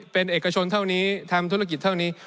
เป็นเอกชนเท่านี้ทำธุรกิจเท่านี้